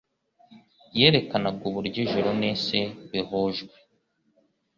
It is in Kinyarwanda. Yerekanaga uburyo ijuru n'isi bihujwe,